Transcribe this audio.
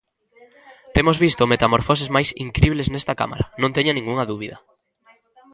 Temos visto metamorfoses máis incribles nesta cámara, non teña ningunha dúbida.